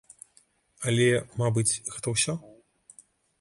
Але, мабыць, гэта ўсё.